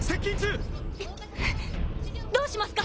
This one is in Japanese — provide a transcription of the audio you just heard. どうしますか？